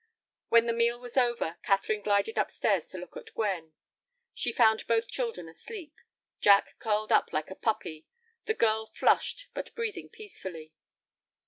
When the meal was over, Catherine glided up stairs to look at Gwen. She found both children asleep. Jack curled up like a puppy, the girl flushed, but breathing peacefully.